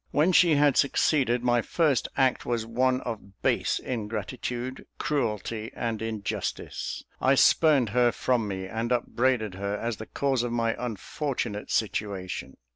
When she had succeeded, my first act was one of base ingratitude, cruelty, and injustice: I spurned her from me, and upbraided her as the cause of my unfortunate situation.